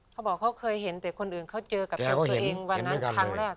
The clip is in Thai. แต่คนอื่นเขาเจอกับตัวเองวันนั้นครั้งแรก